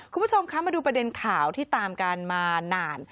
คุณผู้ชมคะมาดูประเด็นข่าวที่ตามกันมานาน